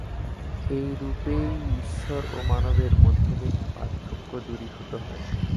এইরূপেই ঈশ্বর ও মানবের মধ্যবর্তী পার্থক্য দূরীভূত হয়।